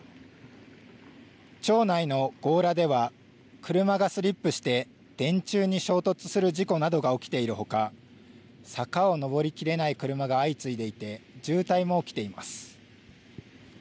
町内の強羅では車がスリップして電柱に衝突する事故などが起きているほか坂を上りきれない車が相次いでいて渋滞も起きています。